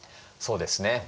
そうですね。